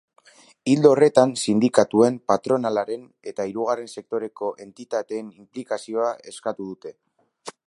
Ildo horretan, sindikatuen, patronalaren eta hirugarren sektoreko entitateen inplikazioa eskatu dute.